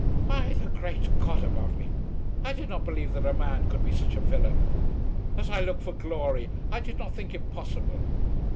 "By the great God above me, I did not believe that a man could be such a villain! As I look for glory I did not think it possible!